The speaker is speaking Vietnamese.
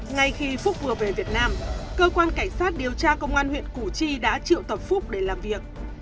ngay khi phúc vừa về việt nam cơ quan cảnh sát điều tra công an huyện củ chi đã triệu tập phúc để làm việc